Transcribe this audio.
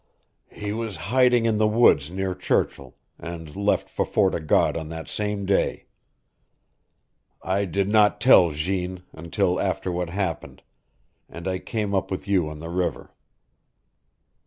"He was hiding in the woods near Churchill, and left for Fort o' God on that same day. I did not tell Jeanne until after what happened, and I came up with you on the river.